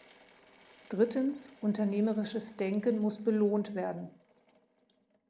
Drittens, unternehmerisches Denken muss belohnt werden.